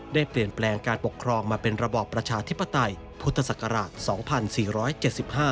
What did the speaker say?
ได้เปลี่ยนแปลงการปกครองมาเป็นระบอกประชาธิปไตพุทธศักราช๒๔๗๕